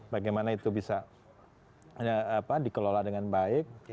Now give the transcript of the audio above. bagaimana itu bisa dikelola dengan baik